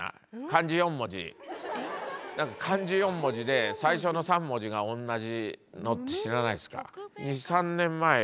なんか漢字４文字で最初の３文字が同じのって知らないですか？